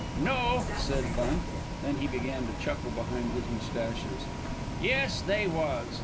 "No," said Bunt. Then he began to chuckle behind his mustaches. "Yes, they was."